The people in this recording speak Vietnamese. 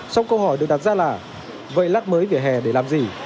sau câu hỏi được đặt ra là vậy lát mới vỉa hè để làm gì